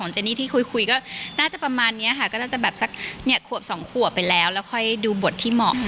เจนี่ที่คุยก็น่าจะประมาณนี้ค่ะก็น่าจะแบบสักขวบสองขวบไปแล้วแล้วค่อยดูบทที่เหมาะ